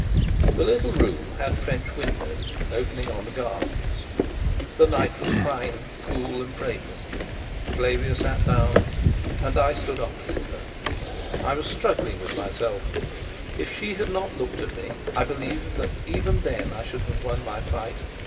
The little room had French windows opening on the gardens. The night was fine, cool, and fragrant. Flavia sat down, and I stood opposite her. I was struggling with myself: if she had not looked at me, I believe that even then I should have won my fight.